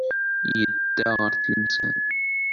Yedda ɣer Tlemsan.